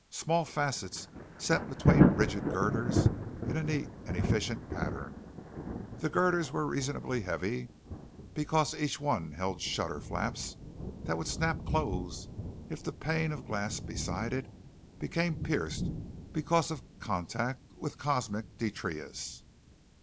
Small facets set between rigid girders in a neat and efficient pattern. The girders were reasonably heavy, because each one held shutter flaps that would snap closed if the pane of glass beside it became pierced because of contact with cosmic detritus.